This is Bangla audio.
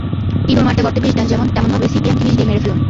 ইঁদুর মারতে গর্তে বিষ দেন যেমন, তেমনভাবে সিপিএমকে বিষ দিয়ে মেরে ফেলুন।